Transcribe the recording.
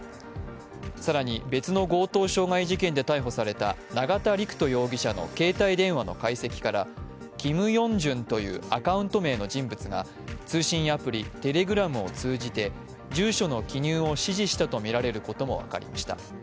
更に、別の強盗傷害事件で逮捕された永田陸人容疑者の携帯電話の解析から「ＫｉｍＹｏｕｎｇ−ｊｕｎ」というアカウント名の人物が通信アプリ・Ｔｅｌｅｇｒａｍを通じて住所の記入を指示したとみられることも分かりました。